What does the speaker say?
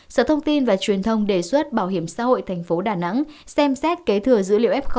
sở thông tin và truyền thông đề xuất bảo hiểm xã hội tp đà nẵng xem xét kế thừa dữ liệu f